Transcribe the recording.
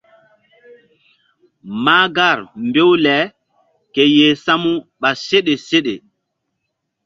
Mahgar mbew le ke yeh samu ɓa seɗe seɗe.